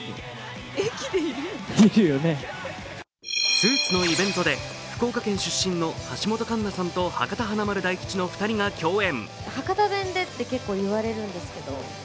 スーツのイベントで福岡県出身の橋本環奈さんと博多華丸・大吉の２人が共演。